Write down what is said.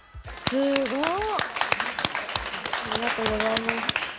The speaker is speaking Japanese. すごい。